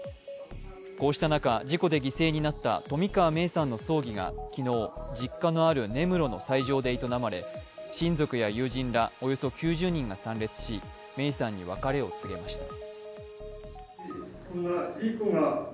こうした中、事故で犠牲になった冨川芽生さんの葬儀が昨日、実家のある根室の斎場で営まれ親族や友人らおよそ９０人が参列し芽生さんに別れを告げました。